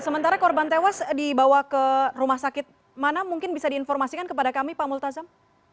sementara korban tewas dibawa ke rumah sakit mana mungkin bisa diinformasikan kepada kami pak multazam